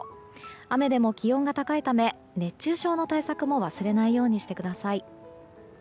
雨でも気温が高いため熱中症の対策も忘れないようにしてください。